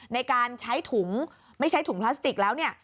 ในการใช้ถุงไม่ใช้ถุงพลาสติกแล้วเนี่ย